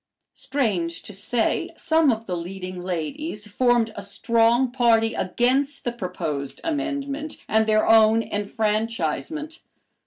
Strange to say, some of the leading ladies formed a strong party against the proposed amendment and their own enfranchisement.